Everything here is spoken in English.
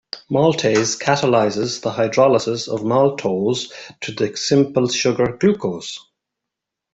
Maltase catalyzes the hydrolysis of maltose to the simple sugar glucose.